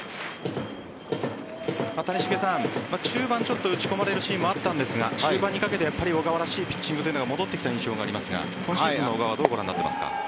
谷繁さん、中盤ちょっと打ち込まれるシーンもあったんですが終盤にかけて小川らしいピッチングが戻ってきた印象がありますが今シーズンの小川どうご覧になっていますか？